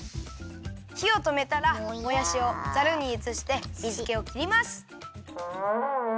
ひをとめたらもやしをザルにうつして水けをきります。